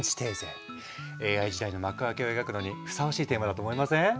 ＡＩ時代の幕開けを描くのにふさわしいテーマだと思いません？